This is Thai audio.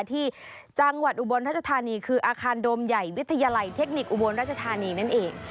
ที่จังหวัดอุบลทัชธานีคืออาคารโดมใหญ่วิทยาลัยเทคนิคอุบลราชธานีนั่นเอง